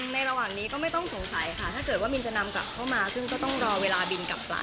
ระหว่างนี้ก็ไม่ต้องสงสัยค่ะถ้าเกิดว่ามินจะนำกลับเข้ามาซึ่งก็ต้องรอเวลาบินกลับไป